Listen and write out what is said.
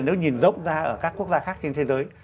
nếu nhìn rộng ra ở các quốc gia khác trên thế giới